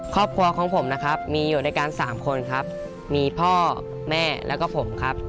ครอบครัวของผมนะครับมีอยู่ด้วยกันสามคนครับมีพ่อแม่แล้วก็ผมครับ